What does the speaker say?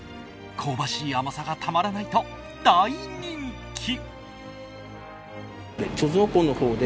香ばしい甘さがたまらないと大人気。